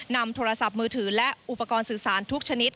นำโทรศัพท์มือถือและอุปกรณ์สื่อสารทุกชนิด